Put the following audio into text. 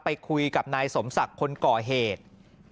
ไปคุยกับนายสมศักดิ์คนก่อเหตุ